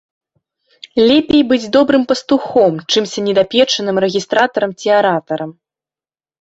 Лепей быць добрым пастухом, чымся недапечаным рэгістратарам ці аратарам.